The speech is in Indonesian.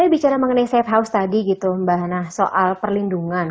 saya bicara mengenai safe house tadi gitu mbak hana soal perlindungan